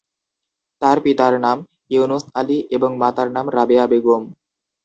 তার পিতার নাম ইউনুস আলী এবং মাতার নাম রাবেয়া বেগম।